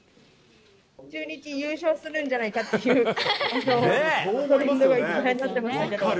中日、優勝するんじゃないかっていうのがネットで話題になってましたけど。